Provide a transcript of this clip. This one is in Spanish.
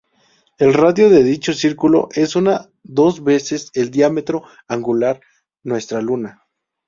El radio de dicho círculo es unas dos veces el diámetro angular nuestra Luna.